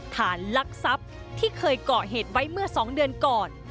ฐานลักษัพที่เคยเกาะเหตุไว้เมื่อสองเดือนก่อน